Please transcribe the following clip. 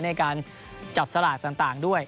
ในการจับสลากต่างด้วย